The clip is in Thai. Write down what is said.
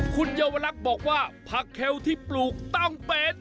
คุณเยาวลักษณ์บอกว่าผักเคลที่ปลูกต้องเป็น